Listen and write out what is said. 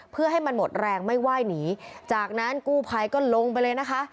เพื่อให้มันหมดแรงไม่ไหว้หนีจากนั้นกู้ภัยก็ลงไปเลยนะคะ